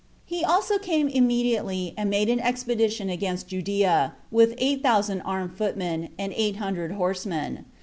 He also came immediately, and made an expedition against Judea, with eight thousand armed footmen, and eight hundred horsemen.